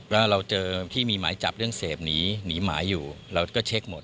แล้วเราเจอที่มีหมายจับเรื่องเสพหนีหนีหมายอยู่เราก็เช็คหมด